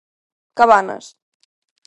Cabanas.